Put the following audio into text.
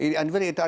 invalid itu artinya